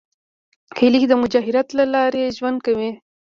هیلۍ د مهاجرت له لارې ژوند کوي